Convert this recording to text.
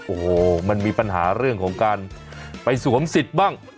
โอ้โหมันมีปัญหาเรื่องของการไปสวมสิทธิ์บ้าง